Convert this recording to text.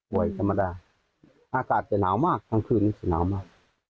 วัยธรรมดาอากาศจะหนาวมากทั้งคืนนี้จะหนาวมาก